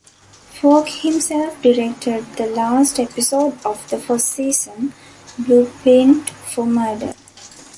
Falk himself directed the last episode of the first season, "Blueprint for Murder".